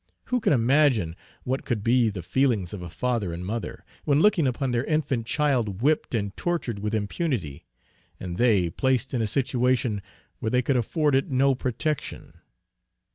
Who can imagine what could be the feelings of a father and mother, when looking upon their infant child whipped and tortured with impunity, and they placed in a situation where they could afford it no protection.